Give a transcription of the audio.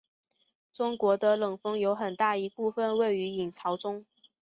中国的冷锋有很大一部分位于隐槽中。